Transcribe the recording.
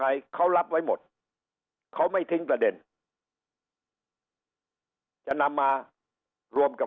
อะไรเขารับไว้หมดเขาไม่ทิ้งประเด็นจะนำมารวมกับ